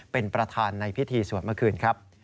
เป็นประธานในพิธีสวดเมื่อคืนครับ